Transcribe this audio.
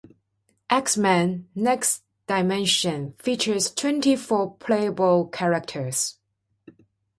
"X-Men: Next Dimension" features twenty-four playable characters.